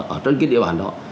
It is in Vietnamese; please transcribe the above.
ở trên cái địa bàn đó